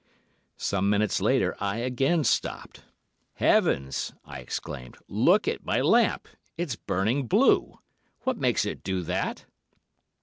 "Some minutes later I again stopped. 'Heavens!' I exclaimed. 'Look at my lamp! It's burning blue! What makes it do that?